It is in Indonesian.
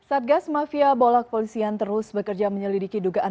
satgas mafia bolak polisian terus bekerja menyelidiki dugaan